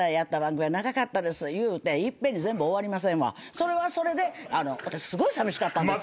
それはそれで私すごいさみしかったんですよ。